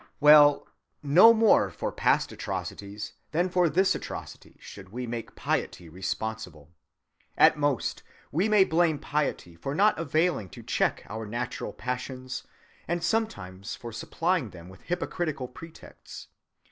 Well, no more for past atrocities than for this atrocity should we make piety responsible. At most we may blame piety for not availing to check our natural passions, and sometimes for supplying them with hypocritical pretexts.